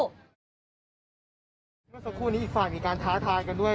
เมื่อสักครู่นี้อีกฝ่ายมีการท้าทายกันด้วย